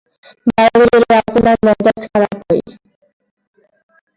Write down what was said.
বাইরে গেলেই আপনার মেজাজ খারাপ হয়।